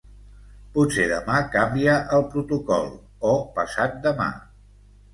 Potser demà canvia el protocol, o passat demà.